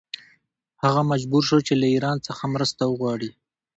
هغه مجبور شو چې له ایران څخه مرسته وغواړي.